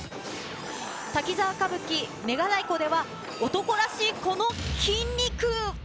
滝沢歌舞伎、メカ太鼓では、男らしいこの筋肉。